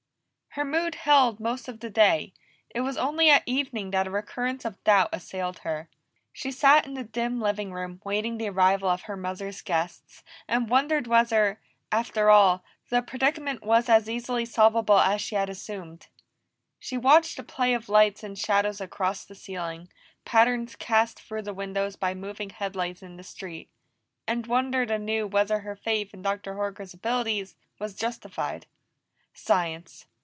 Her mood held most of the day; it was only at evening that a recurrence of doubt assailed her. She sat in the dim living room waiting the arrival of her mother's guests, and wondered whether, after all, the predicament was as easily solvable as she had assumed. She watched the play of lights and shadows across the ceiling, patterns cast through the windows by moving headlights in the street, and wondered anew whether her faith in Dr. Carl's abilities was justified. Science!